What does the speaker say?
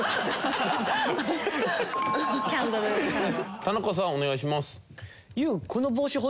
田中さんお願いします。